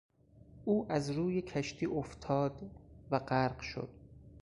او از روی کشتی افتاد و غرق شد.